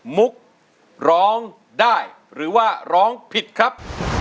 มุกร้องได้หรือว่าร้องผิดครับ